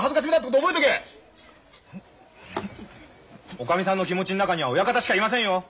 おかみさんの気持ちん中には親方しかいませんよ。